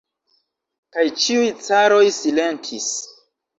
Kaj ĉiuj caroj silentis.